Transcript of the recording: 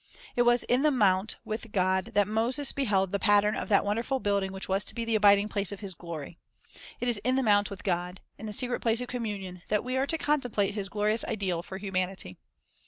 It was in the mount with God that Moses beheld the pattern of that wonderful building which was to be the abiding place of His glory. It is in the mount with God, — in the secret place of communion, — that we are to contemplate His glorious ideal for humanity.